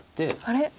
あれ？